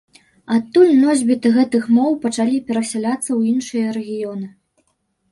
Адтуль носьбіты гэтых моў пачалі перасяляцца ў іншыя рэгіёны.